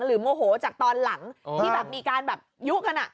หรือโมโหจากตอนหลังที่มีการยุกัน